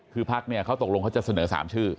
คือภักดิ์เขาตกลงจะเสนอ๓ชื่อ